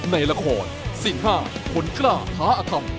ในละครสิ่งห้าผลกล้าท้าอาธรรม